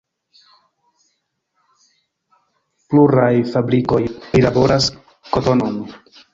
Pluraj fabrikoj prilaboras kotonon.